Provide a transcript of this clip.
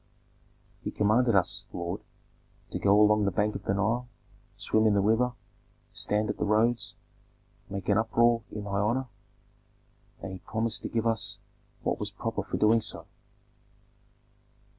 "He commanded us, lord, to go along the bank of the Nile, swim in the river, stand at the roads, make an uproar in thy honor, and he promised to give us what was proper for doing so.